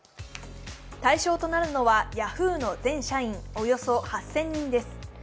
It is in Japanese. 対象となるのはヤフーの全社員およそ８０００人です。